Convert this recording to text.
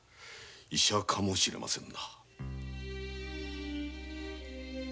医者かも知れませんな。